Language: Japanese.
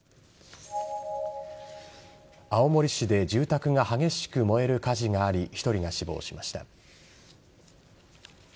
青森市で住宅が激しく燃える火事があり１人が死亡しました。